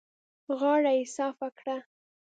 غاړه يې صافه کړه.